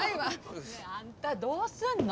ねえあんたどうすんの？